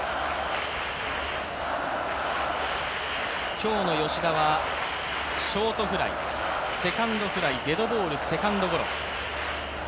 今日の吉田はショートフライ、セカンドフライ、デッドボール、セカンドゴロ。